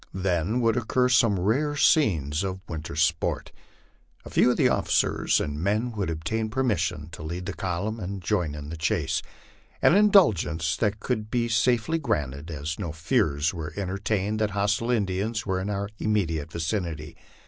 Then would occur some rare scenes of winter sport : a few of the officers and men would obtain permission to lead the column and join in the chase an indulg ence that could be safely granted, as no fears were entertained that hostile In dians were in our immediate vicinity.